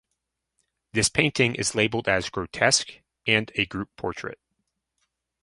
This painting is labelled as "grotesque" and "a group portrait".